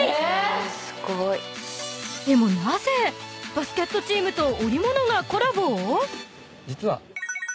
［でもなぜバスケットチームと織物がコラボを？］